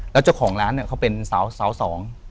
แล้วเจ้าของร้านเขาเป็นสาวสอง